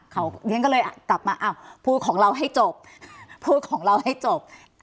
เขาก็เลยกลับมาพูดของเราให้จบ